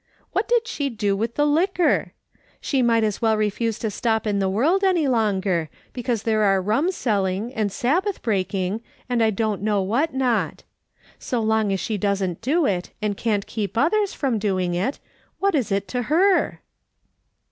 What had she to do with the liquor ? She might as well refuse to stop in the world any longer, because there are rum selling, and Sabbath breaking, and I don't know what not. So long as she doesn't do it, and can't keep others from doing it, what is it to her